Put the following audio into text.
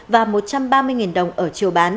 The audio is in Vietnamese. và một trăm ba mươi đồng ở chiều bán